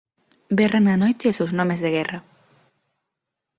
Berran na noite os seus nomes de guerra: